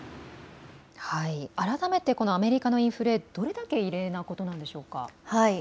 改めてこのアメリカのインフレ、どれだけ異例なことなんでしょうか。